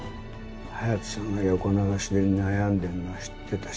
勇仁さんが横流しで悩んでるのは知ってたし。